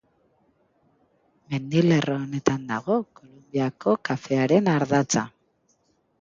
Mendilerro honetan dago Kolonbiako kafearen ardatza.